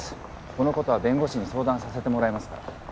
このことは弁護士に相談させてもらいますから。